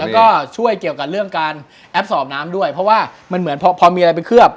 แล้วก็ช่วยเกี่ยวกับเรื่องการแอปสอบน้ำด้วยเพราะว่ามันเหมือนพอมีอะไรไปเคลือบ